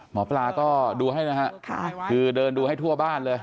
หมอปลาก็ดูให้นะฮะคือเดินดูให้ทั่วบ้านเลย